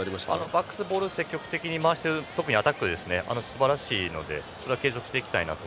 バックスはボールを積極的に回していて特にアタックはすばらしいので継続していきたいなと。